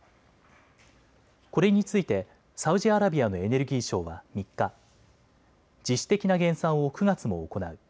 これについてサウジアラビアのエネルギー省は３日、自主的な減産を９月も行う。